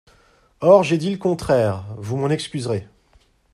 Or j’ai dit le contraire, vous m’en excuserez.